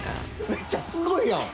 めっちゃすごいやん！